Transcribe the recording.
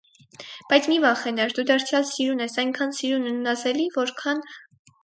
Բայց մի վախենար, դու դարձյալ սիրուն ես, այնքան սիրուն ու նազելի, որքան…